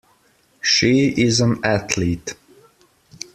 She is an Athlete.